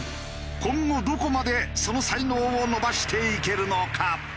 今後どこまでその才能を伸ばしていけるのか？